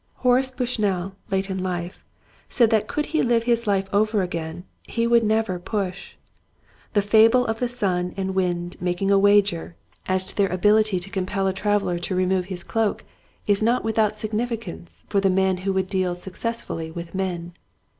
Horace Bushnell late in life said that could he live his life over again he would never push. The fable of the sun and wind making a wager as to their Autocracy. 125 ability to compel a traveler to remove his cloak is not without significance for the man who would deal successfully with men.